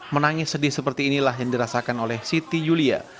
menangis sedih seperti inilah yang dirasakan oleh siti yulia